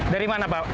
dari mana pak